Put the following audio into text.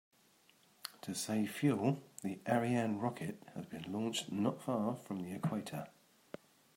To save fuel, the Ariane rocket has been launched not far from the equator.